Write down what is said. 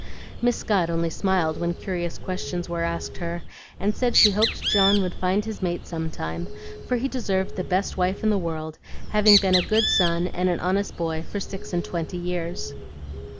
Miss Scott only smiled when curious questions were asked her, and said she hoped John would find his mate some time, for he deserved the best wife in the world, having been a good son and an honest boy for six and twenty years.